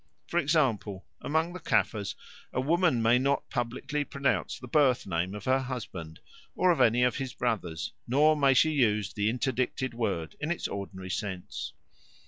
For example, among the Caffres a woman may not publicly pronounce the birth name of her husband or of any of his brothers, nor may she use the interdicted word in its ordinary sense.